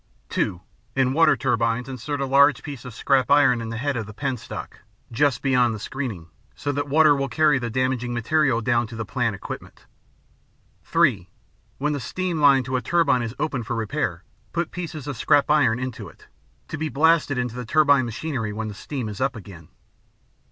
(2) In water turbines, insert a large piece of scrap iron in the head of the penstock, just beyond the screening, so that water will carry the damaging material down to the plant equipment. (3) When the steam line to a turbine is opened for repair, put pieces of scrap iron into it, to be blasted into the turbine machinery when steam is up again.